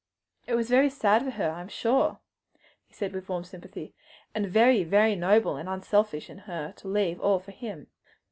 "It was sad for her, I am sure!" he said with warm sympathy, "and very, very noble and unselfish in her to leave all for him."